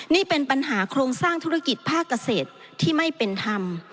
นี่เป็นปัญหาโครงสร้างธุรกิจภาคเกษตรที่ไม่เป็นธรรม